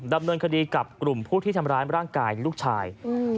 ดำเนินคดีกับกลุ่มผู้ที่ทำร้ายร่างกายลูกชาย